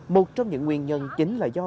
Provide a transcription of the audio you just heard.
một trong những nguyên nhân chính là do